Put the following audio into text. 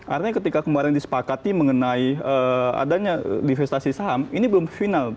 artinya ketika kemarin disepakati mengenai adanya divestasi saham ini belum final